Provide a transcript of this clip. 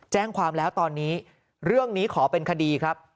แจ้งความแล้วตอนนี้เรื่องนี้ขอเป็นคดีครับ